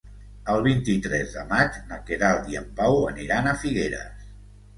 El vint-i-tres de maig na Queralt i en Pau aniran a Figueres.